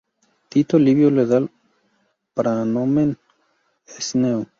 Tito Livio le da el "praenomen" Cneo.